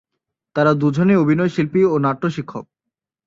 তারা দুজনেই অভিনয়শিল্পী ও নাট্য শিক্ষক।